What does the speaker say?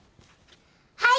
はい！